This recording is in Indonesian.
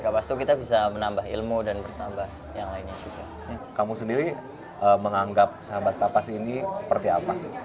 kapas itu kita bisa menambah ilmu dan bertambah yang lainnya juga kamu sendiri menganggap sahabat kapas ini seperti apa